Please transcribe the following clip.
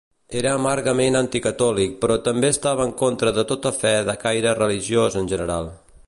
Era amargament anticatòlic però també estava en contra de tota fe de caire religiós en general.